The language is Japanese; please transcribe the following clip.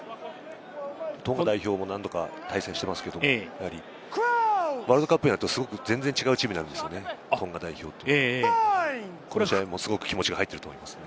トンガ代表も何度か対戦してますけど、ワールドカップになると全然違うチームになるんですよね、トンガ代表って、この試合もすごく気持ちが入ってると思います。